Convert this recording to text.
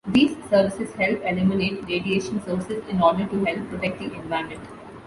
These services help eliminate radiation sources in order to help protect the environment.